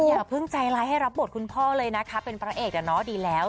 อย่าพึ่งใจล้ายให้รับโบสถ์คุณพ่อเลยนะครับเป็นพระเอกเดี๋ยวเนาะดีแล้ว